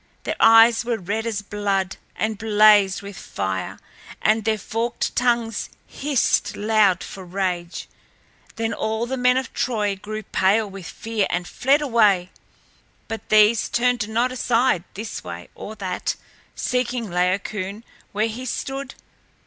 Their eyes were red as blood and blazed with fire and their forked tongues hissed loud for rage. Then all the men of Troy grew pale with fear and fled away, but these turned not aside this way or that, seeking Laocoön where he stood.